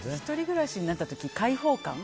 １人暮らしになった時の解放感。